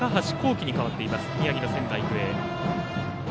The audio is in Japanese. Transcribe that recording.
稀に代わっています宮城の仙台育英。